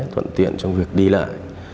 thuận tiện trong việc đi lại